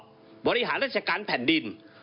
ก็ได้มีการอภิปรายในภาคของท่านประธานที่กรกครับ